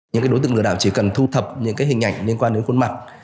những đối tượng lừa đảo chỉ cần thu thập những hình ảnh liên quan đến khuôn mặt